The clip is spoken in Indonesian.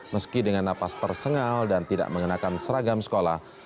meski dengan napas tersengal dan tidak mengenakan seragam sekolah